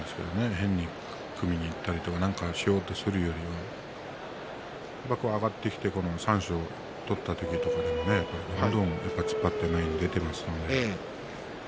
変に組みにいったりとか何かしようと思うより上がってきて三賞を取った時もどんどん突っ張って前に出ていますので。